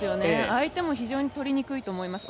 相手も非常に取りにくいと思います。